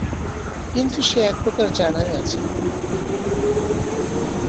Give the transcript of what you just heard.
কিন্তু সে একপ্রকার জানাই আছে।